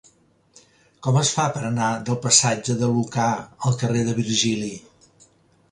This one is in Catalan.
Com es fa per anar del passatge de Lucà al carrer de Virgili?